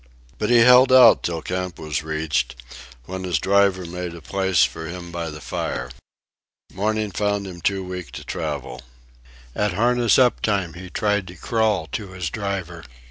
But he held out till camp was reached, when his driver made a place for him by the fire. Morning found him too weak to travel. At harness up time he tried to crawl to his driver.